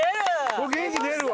これ元気出るわ。